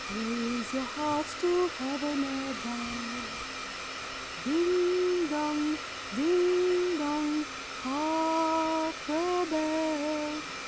Raise your hearts to Heaven above! Chorus. Ding dong! ding dong! hark, the bell!